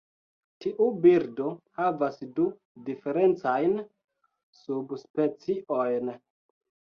Tiu birdo havas du diferencajn subspeciojn.